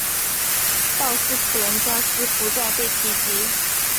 道斯普伦加斯不再被提及。